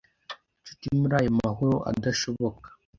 nshuti muri aya mahoro adashoboka